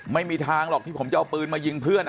ไม่มีทางหรอกที่ผมจะเอาปืนมายิงเพื่อน